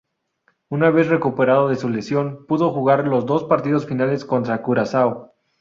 Una vez recuperado de su lesión, pudo jugar los dos partidos finales contra Curazao.